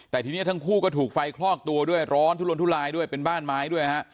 แต่ทีนี้ทั้งคู่ก็ถูกไฟคลอกตัวด้วยร้อนทุลนทุลายด้วยเป็นบ้านไม้ด้วยฮะ